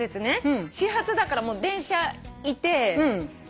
始発だからもう電車いて。